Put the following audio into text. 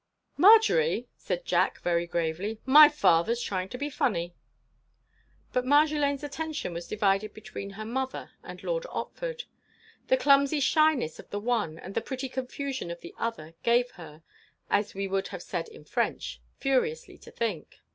"Marjory," said Jack, very gravely, "my father's trying to be funny." But Marjolaine's attention was divided between her mother and Lord Otford. The clumsy shyness of the one and the pretty confusion of the other gave her, as she would have said in French, furiously to think.